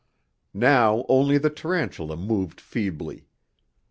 Now only the tarantula moved feebly.